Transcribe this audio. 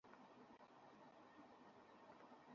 আপনার দিকে ভারতীয়, মা এর পাশে পাকিস্তানী।